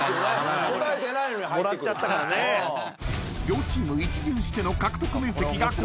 ［両チーム１巡しての獲得面積がこちら］